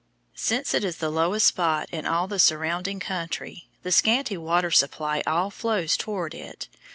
Since it is the lowest spot in all the surrounding country, the scanty water supply all flows toward it.